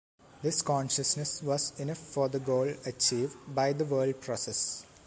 This consciousness was enough for the goal achieved by the world process.